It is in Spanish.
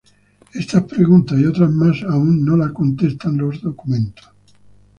Estas preguntas y otras más aún no las contestan los documentos.